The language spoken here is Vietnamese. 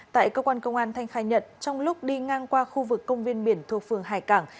tại cơ quan công an thanh khai nhận trong lúc đi ngang qua khu vực công viên biển thuộc phường hải cảng